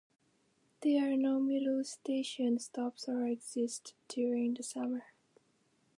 There are no middle station stops or exits during the summer.